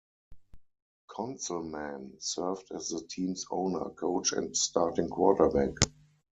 Conzelman served as the team's owner, coach, and starting quarterback.